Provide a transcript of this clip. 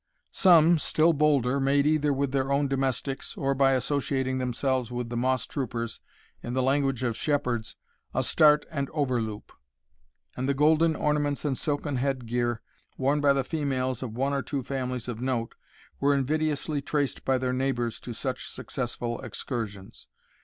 Some, still bolder, made, either with their own domestics, or by associating themselves with the moss troopers, in the language of shepherds, "a start and overloup;" and the golden ornaments and silken head gear worn by the females of one or two families of note, were invidiously traced by their neighbours to such successful excursions.